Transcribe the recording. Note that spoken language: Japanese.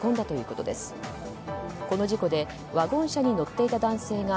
この事故でワゴン車に乗っていた男性が